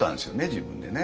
自分でね。